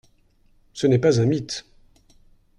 Ce n’est pas un mythe.